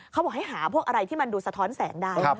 เขาบอกให้หาพวกอะไรที่มันดูสะท้อนแสงได้